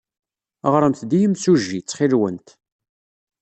Ɣremt-d i yimsujji, ttxil-went.